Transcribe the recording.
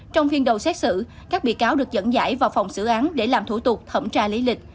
trong phiên đầu xét xử các bị cáo được dẫn giải vào phòng xử án để làm thủ tục thẩm tra lý lịch